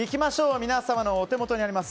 皆様のお手元にあります